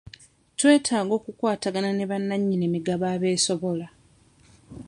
Twetaaga okukwatagana ne bananyini migabo abeesobola.